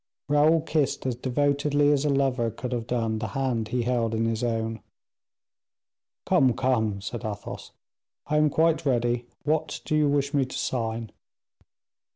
Raoul kissed as devotedly as a lover could have done the hand he held in his own. "Come, come," said Athos, "I am quite ready; what do you wish me to sign?"